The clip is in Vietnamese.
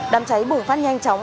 đám cháy bùng phát nhanh chóng